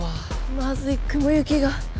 まずい雲行きが。